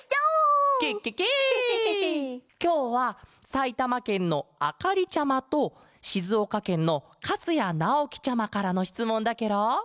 きょうはさいたまけんのあかりちゃまとしずおかけんのかすやなおきちゃまからのしつもんだケロ！